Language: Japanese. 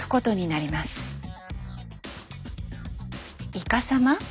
いかさま？